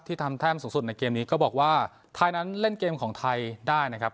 ทำแต้มสูงสุดในเกมนี้ก็บอกว่าไทยนั้นเล่นเกมของไทยได้นะครับ